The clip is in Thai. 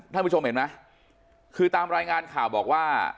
ท่านผู้ชมเห็นไหมคือตามรายงานข่าวบอกว่า